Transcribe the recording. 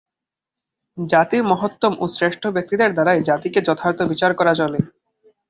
জাতির মহত্তম ও শ্রেষ্ঠ ব্যক্তিদের দ্বারাই জাতিকে যথার্থ বিচার করা চলে।